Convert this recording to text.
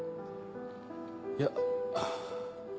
いや。